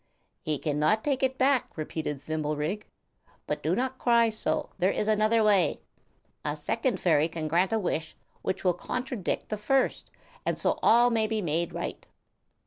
"He cannot take it back," repeated Thimblerig. "But do not cry so; there is another way. A second fairy can grant a wish which will contradict the first, and so all may be made right.